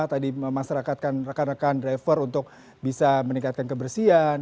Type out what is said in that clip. tadi memasrakatkan rekan rekan driver untuk bisa meningkatkan kebersihan